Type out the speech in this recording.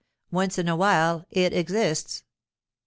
Once in a while it exists.